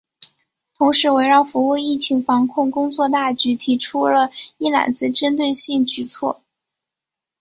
同时围绕服务疫情防控工作大局提出了“一揽子”针对性举措